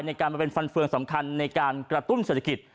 ในการมาเป็นฟันเฟืองสำคัญในการกระตุ้นเศรษฐกิจ